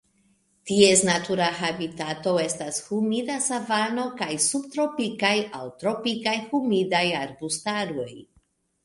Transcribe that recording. Ties natura habitato estas humida savano kaj subtropikaj aŭ tropikaj humidaj arbustaroj.